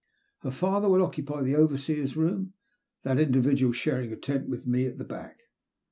Her father would occupy the overseer's room, that individual sharing a tent with me at the back.